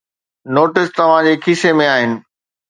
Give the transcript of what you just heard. Notes توهان جي کيسي ۾ آهن.